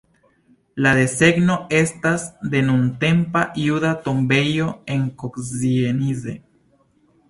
La desegno estas de nuntempa juda tombejo en Kozienice.